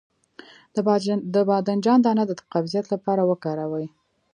د بانجان دانه د قبضیت لپاره وکاروئ